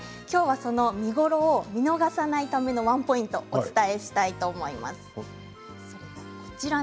きょうは見頃を見逃さないためのワンポイントをお伝えしたいと思います。